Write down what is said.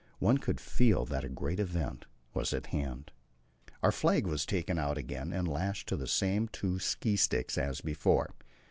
One could feel that a great event was at hand. Our flag was taken out again and lashed to the same two ski sticks as before.